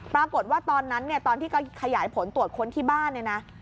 ตอนนั้นเนี่ยตอนที่เขาขยายผลตรวจค้นที่บ้านเนี่ยนะ